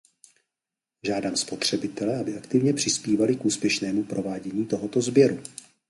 Žádám spotřebitele, aby aktivně přispívali k úspěšnému provádění tohoto sběru.